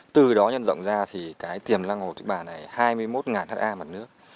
từ đó nhân rộng ra thì cái tiềm lăng hồ tịch bà này hai mươi một ha mặt nước